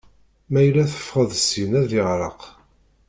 Ma yella teffɣeḍ syin ad iɛreq.